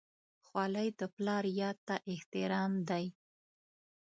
خولۍ د پلار یاد ته احترام دی.